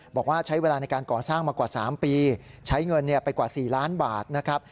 บอกว่าใช้เวลาในการก่อสร้างมากว่า๓ปีใช้เงินไปกว่า๔ล้านบาทนะครับ